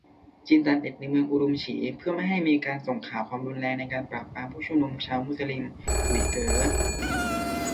จีนตัดเน็ทในเมือง อุรุมฉี เพื่อไม่ให้มีการส่งข่าวความรุนแรงในการปราบปรามผุ้ชุมนุมชาวมุสลิม อุ๋ยเก๋อ